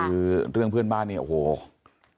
คือเรื่องเพื่อนบ้านเนี่ยโอ้โห